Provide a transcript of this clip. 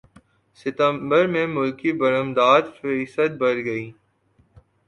ستمبر میں ملکی برمدات فیصد بڑھ گئیں